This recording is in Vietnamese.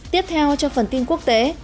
tiếp theo cho phần tin quốc tế